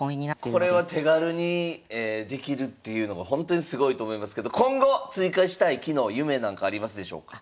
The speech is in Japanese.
これは手軽にできるっていうのがほんとにすごいと思いますけど今後追加したい機能夢なんかありますでしょうか？